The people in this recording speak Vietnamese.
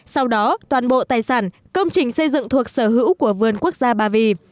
sau đó toàn bộ tài sản công trình xây dựng thuộc sở hữu của vườn quốc gia ba vì